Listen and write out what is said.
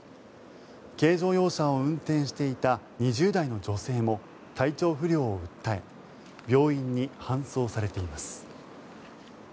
軽乗用車を運転していた２０代の女性も体調不良を訴え病院に搬送されています。